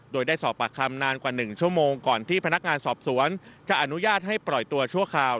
โดยได้สอบปากคำนานกว่า๑ชั่วโมงก่อนที่พนักงานสอบสวนจะอนุญาตให้ปล่อยตัวชั่วคราว